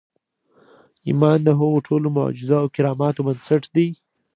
ايمان د هغو ټولو معجزو او کراماتو بنسټ دی.